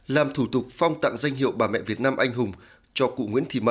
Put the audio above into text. làm thủ tục phong tặng danh hiệu bà mẹ việt nam anh hùng cho cụ nguyễn thị mậ